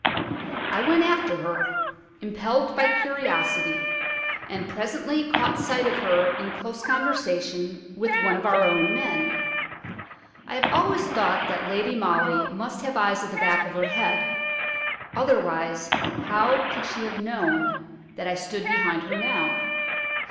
I went after her, impelled by curiosity, and presently caught sight of her in close conversation with one of our own men. I have always thought that Lady Molly must have eyes at the back of her head, otherwise how could she have known that I stood behind her now?